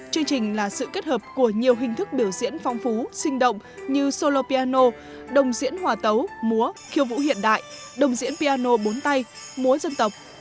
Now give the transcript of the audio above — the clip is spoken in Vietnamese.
chương trình là sự kết hợp của nhiều hình thức biểu diễn phong phú sinh động như solo piano đồng diễn hòa tấu múa khiêu vũ hiện đại đồng diễn piano bốn tay múa dân tộc